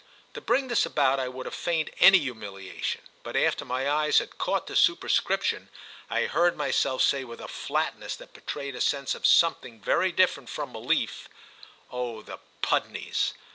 To bring this about I would have feigned any humiliation; but after my eyes had caught the superscription I heard myself say with a flatness that betrayed a sense of something very different from relief: "Oh the Pudneys!"